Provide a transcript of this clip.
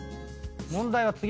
問題は次。